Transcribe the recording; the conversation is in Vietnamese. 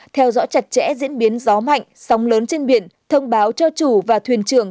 theo dõi chặt chẽ diễn biến gió mạnh sóng lớn trên biển thông báo cho chủ và thuyền trưởng